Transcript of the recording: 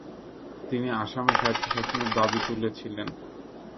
তিনি আসামে স্বায়ত্ব শাসনের দাবী করেছিলেন।